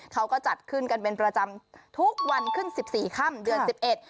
เขาก็จัดขึ้นกันเป็นประจำทุกวันขึ้น๑๔ค่ำเดือน๑๑